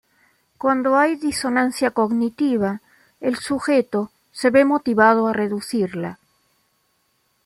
Cuando hay disonancia cognitiva, el sujeto se ve motivado a reducirla.